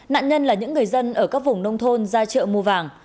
nạn nhân là những người dân ở các vùng nông thôn ra chợ mua vàng